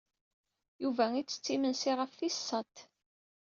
Yuba ittett imensi ɣef tis sat.